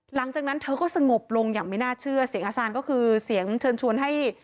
หลังจากนั้นเธอก็สงบลงอย่างไม่น่าเชื่อเสียงอาจารย์ก็คือเสียงเชิญชวนให้